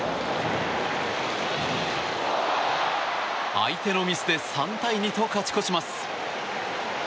相手のミスで３対２と勝ち越します。